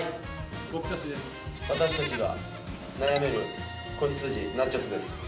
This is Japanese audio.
私たちが悩める子羊ナチョス。です。